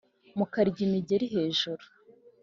Mukarya imigeli hejuru